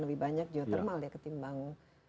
lebih banyak geotermal ya ketimbang